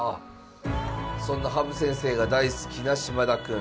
そんな羽生先生が大好きな嶋田くん。